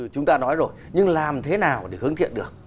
chúng ta nói rồi nhưng làm thế nào để hướng thiện được